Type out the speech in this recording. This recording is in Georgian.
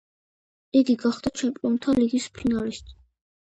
იგი გახდა ჩემპიონთა ლიგის ფინალისტი.